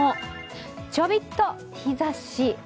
ちょびっと日ざし。